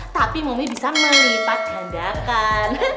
tapi mumi bisa melipat gandakan